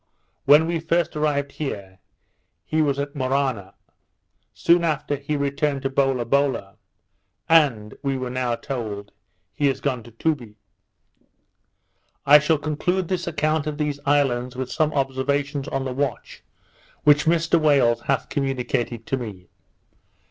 When we first arrived here, he was at Maurana; soon after he returned to Bolabola; and we were now told, he was gone to Tubi. I shall conclude this account of these islands, with some observations on the watch which Mr Wales hath communicated to me.